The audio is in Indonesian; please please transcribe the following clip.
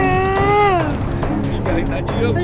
dik dari tadi ya bos